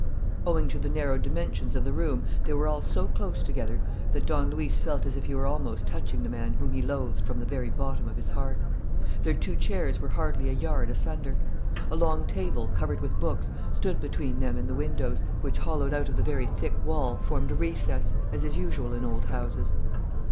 Owing to the narrow dimensions of the room they were all so close together that Don Luis felt as if he were almost touching the man whom he loathed from the very bottom of his heart. Their two chairs were hardly a yard asunder. A long table, covered with books, stood between them and the windows, which, hollowed out of the very thick wall, formed a recess, as is usual in old houses.